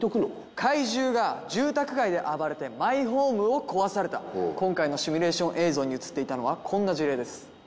怪獣が住宅街で暴れてマイホームを壊された今回のシミュレーション映像に映っていたのはこんな事例です